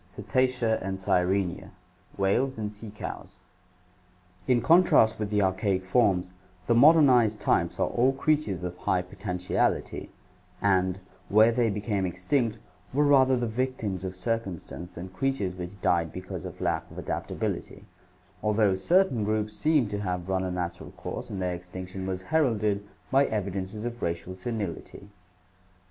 Cetacea and Sirenia, whales and sea cows. In contrast with the archaic forms, the modernized types are all creatures of high potentiality, and, where they became extinct, were rather the victims of circumstance than creatures which died because of lack of adaptability, although certain groups seem to have run a natural course and their extinction was heralded by evidences of racial senility.